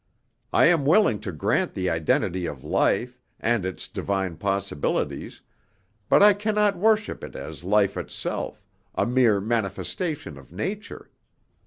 I am willing to grant the identity of life, and its divine possibilities, but I cannot worship it as life itself, a mere manifestation of nature.